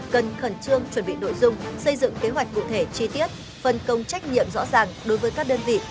cần khẩn trương chuẩn bị nội dung xây dựng kế hoạch cụ thể chi tiết phân công trách nhiệm rõ ràng đối với các đơn vị